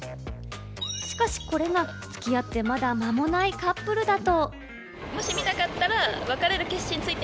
しかしこれがつき合って、まだ間もないカップルだと。